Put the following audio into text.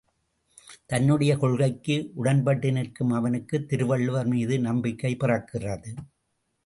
தன்னுடைய கொள்கைக்கு உடன்பட்டு நிற்கும் அவனுக்குத் திருவள்ளுவர் மீதும் நம்பிக்கை பிறக்கிறது.